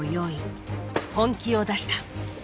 本気を出した。